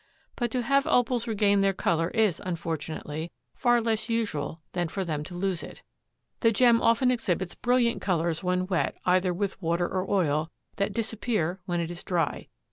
But to have opals regain their color is, unfortunately, far less usual than for them to lose it. The gem often exhibits brilliant colors when wet either with water or oil that disappear when it is dry.